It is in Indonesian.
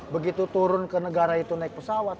begitu turun ke negara itu naik pesawat